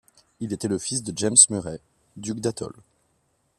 Il était le fils de James Murray, duc d'Atholl.